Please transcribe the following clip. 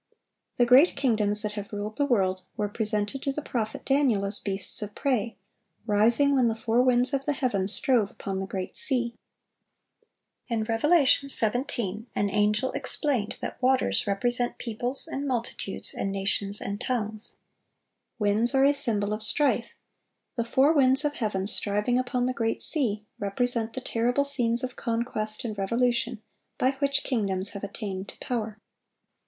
The great kingdoms that have ruled the world were presented to the prophet Daniel as beasts of prey, rising when the "four winds of the heaven strove upon the great sea."(738) In Revelation 17, an angel explained that waters represent "peoples, and multitudes, and nations, and tongues."(739) Winds are a symbol of strife. The four winds of heaven striving upon the great sea, represent the terrible scenes of conquest and revolution by which kingdoms have attained to power.